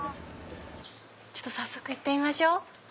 ちょっと早速行ってみましょう。